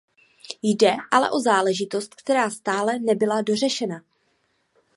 Jde ale o záležitost, která stále nebyla dořešena.